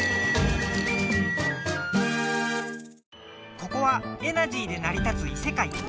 ここはエナジーでなり立ついせかい。